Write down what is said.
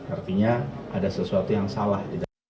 artinya ada sesuatu yang salah